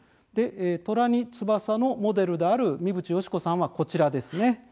「虎に翼」のモデルである三淵嘉子さんは、こちらですね。